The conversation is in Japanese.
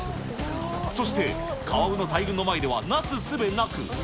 そして、カワウの大群の前ではなすすべなく。